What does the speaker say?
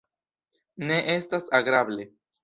Ne estas agrable!